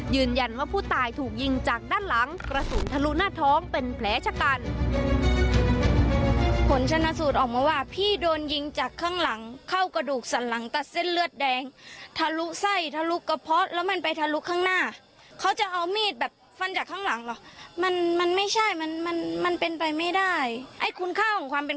ยืนยันว่าผู้ตายถูกยิงจากด้านหลังกระสุนทะลุหน้าท้องเป็นแผลชะกัน